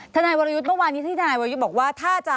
ทนายวรยุทธ์เมื่อวานนี้ที่ทนายวรยุทธ์บอกว่าถ้าจะ